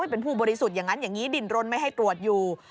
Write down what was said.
เป็นผู้บริสุทธิ์อย่างนั้นอย่างนี้ดินรนไม่ให้ตรวจอยู่